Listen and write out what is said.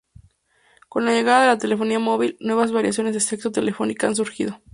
Con la llegada de la telefonía móvil, nuevas variaciones de sexo telefónico han surgido.